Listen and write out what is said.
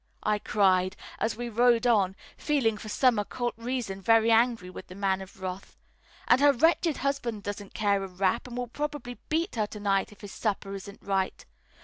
I cried, as we rode on, feeling for some occult reason very angry with the Man of Wrath. "And her wretched husband doesn't care a rap, and will probably beat her to night if his supper isn't right.